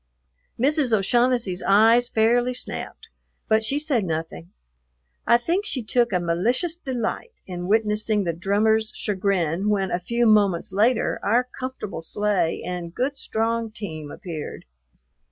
Mrs. O'Shaughnessy's eyes fairly snapped, but she said nothing. I think she took a malicious delight in witnessing the drummer's chagrin when a few moments later our comfortable sleigh and good strong team appeared.